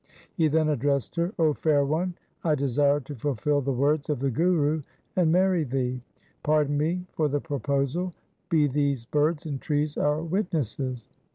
He then addressed her, ' 0 fair one, I desire to fulfil the words of the Guru and marry thee. Pardon me for the proposal. Be these birds and trees our witnesses.'